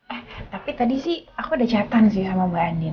eh tapi tadi sih aku udah catan sih sama mbak andin